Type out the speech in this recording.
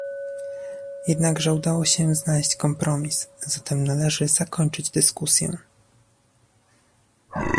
Jednakże udało się znaleźć kompromis, zatem należy zakończyć dyskusję